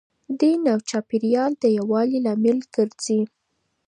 دین او چاپیریال د یووالي لامل ګرځي.